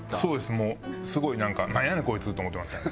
もうすごいなんかなんやねんこいつと思ってましたね。